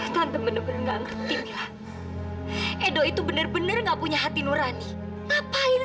tante bener bener enggak ngerti edho itu bener bener enggak punya hati nurani ngapain